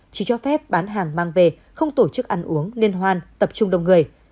chỉ cho phép bán hàng mang về không tổ chức ăn uống liên hoan tập trung đông người